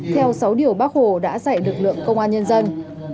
theo sáu điều bác hồ đã dạy lực lượng công an nhân dân